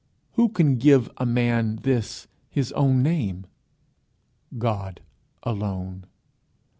Who can give a man this, his own name? God alone.